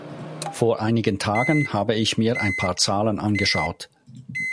Vor einigen Tagen habe ich mir ein paar Zahlen angeschaut.